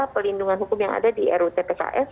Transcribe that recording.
pelindungan hukum yang ada di rutpks